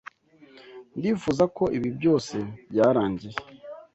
Ndifuza ko ibi byose byarangiye.